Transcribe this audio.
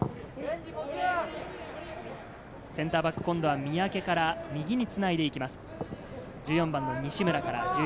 センターバック今度は三宅から右につないでいきます。